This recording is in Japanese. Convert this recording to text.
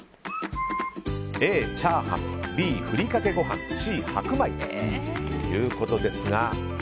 Ａ、チャーハンＢ、ふりかけご飯Ｃ、白米ということですが。